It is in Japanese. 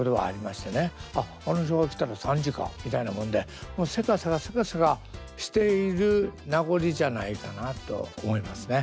「あっあの人が来たら３時か」みたいなもんでもうせかせかせかせかしている名残じゃないかなと思いますね。